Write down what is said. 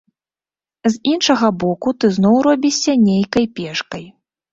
З іншага боку, ты зноў робішся нейкі пешкай.